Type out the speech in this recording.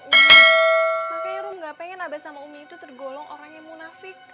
makanya rum nggak pengen abah sama umi itu tergolong orangnya munafik